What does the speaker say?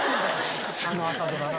あの朝ドラな。